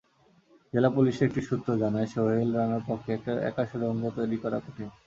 জেলা পুলিশের একটি সূত্র জানায়, সোহেল রানার পক্ষে একা সুড়ঙ্গ তৈরি করা কঠিন।